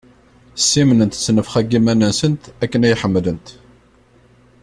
Ssimnent ttnefxa n yiman-nsent, akken ay ḥemmlent.